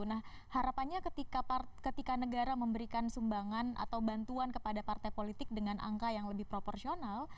nah harapannya ketika negara memberikan sumbangan atau bantuan kepada partai politik dengan angka yang lebih proporsional